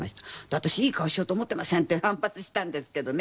「私いい顔しようと思ってません」って反発したんですけどね